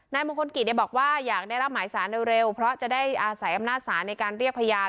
มงคลกิจบอกว่าอยากได้รับหมายสารเร็วเพราะจะได้อาศัยอำนาจศาลในการเรียกพยาน